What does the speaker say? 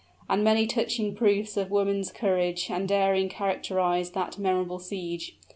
And many touching proofs of woman's courage and daring characterized that memorable siege.